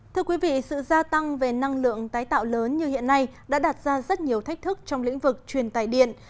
thưa quý vị sự gia tăng về năng lượng tái tạo lớn như hiện nay đã đạt ra rất nhiều thách thức trong lĩnh vực truyền tài điện